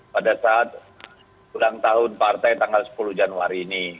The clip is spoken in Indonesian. pada saat ulang tahun partai tanggal sepuluh januari ini